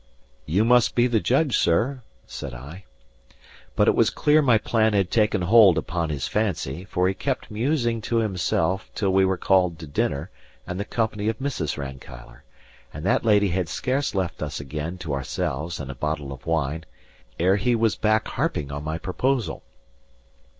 "You must be the judge, sir," said I. But it was clear my plan had taken hold upon his fancy, for he kept musing to himself till we were called to dinner and the company of Mrs. Rankeillor; and that lady had scarce left us again to ourselves and a bottle of wine, ere he was back harping on my proposal.